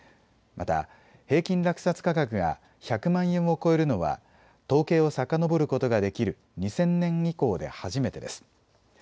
また平均落札価格が１００万円を超えるのは統計をさかのぼることができる２０００年以降で初めてです。